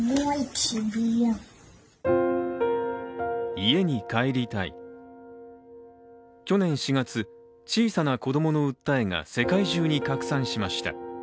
家に帰りたい、去年４月、小さな子供の訴えが世界中に拡散しました。